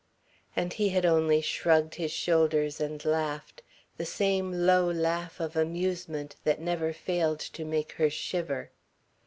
And he had only shrugged his shoulders and laughed, the same low laugh of amusement that never failed to make her shiver.